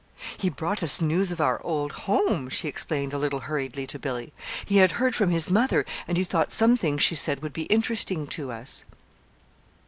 "He brought us news of our old home," she explained a little hurriedly, to Billy. "He had heard from his mother, and he thought some things she said would be interesting to us."